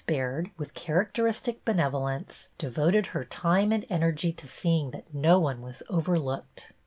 Baird, with characteristic benevolence, de voted her time and energy to seeing that no one was overlooked.